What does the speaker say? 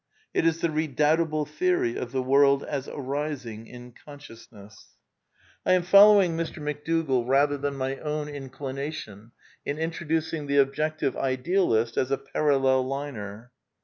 It is the redoubtable theory of the world as ^^ arising in consciousness." I am following Mr. McDougall rather than my own in clination in including the Objective Idealist as a Parallel liner.